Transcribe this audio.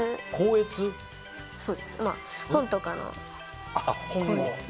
本とかの。